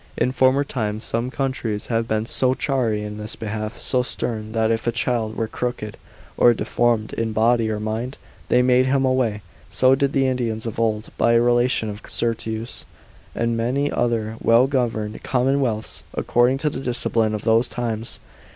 In former times some countries have been so chary in this behalf, so stern, that if a child were crooked or deformed in body or mind, they made him away; so did the Indians of old by the relation of Curtius, and many other well governed commonwealths, according to the discipline of those times.